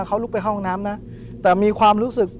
ผมก็ไม่เคยเห็นว่าคุณจะมาทำอะไรให้คุณหรือเปล่า